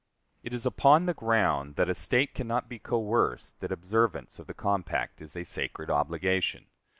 It is upon the ground that a State can not be coerced that observance of the compact is a sacred obligation.